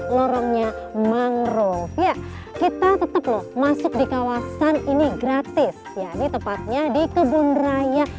lorongnya mangrove ya kita tetap loh masuk di kawasan ini gratis ya ini tepatnya di kebun raya